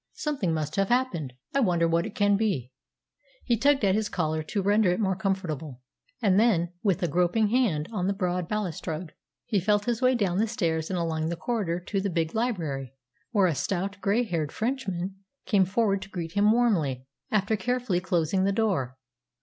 "Something must have happened. I wonder what it can be." He tugged at his collar to render it more comfortable; and then, with a groping hand on the broad balustrade, he felt his way down the stairs and along the corridor to the big library, where a stout, grey haired Frenchman came forward to greet him warmly, after carefully closing the door.